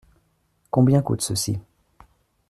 Combien coûte ceci ?